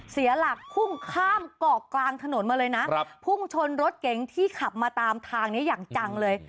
เสียหลักพุ่งข้ามเกาะกลางถนนมาเลยนะพุ่งชนรถเก๋งที่ขับมาตามทางนี้อย่างจังเลย